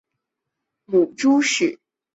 母朱氏。